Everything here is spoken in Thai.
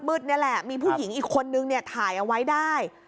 นี่แหละมีผู้หญิงอีกคนนึงเนี่ยถ่ายเอาไว้ได้